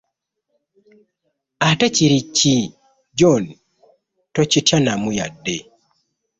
Ate kiri ki, John tokitya namu yadde.